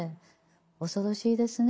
恐ろしいですね。